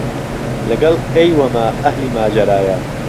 له گەڵ ئێيوهمه ئەهلی ماجەرایە